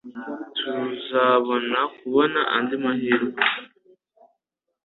Tuzabona kubona andi mahirwe.